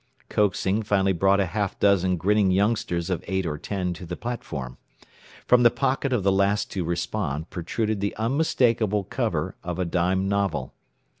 Coaxing finally brought a half dozen grinning youngsters of eight or ten to the platform. From the pocket of the last to respond protruded the unmistakable cover of a dime novel.